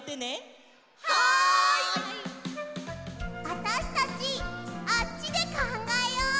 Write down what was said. あたしたちあっちでかんがえよう！